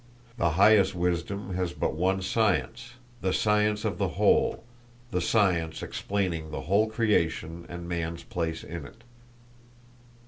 The highest wisdom has but one science—the science of the whole—the science explaining the whole creation and man's place in it.